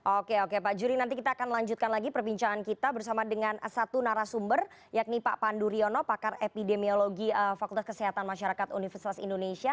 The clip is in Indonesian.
oke oke pak juri nanti kita akan lanjutkan lagi perbincangan kita bersama dengan satu narasumber yakni pak pandu riono pakar epidemiologi fakultas kesehatan masyarakat universitas indonesia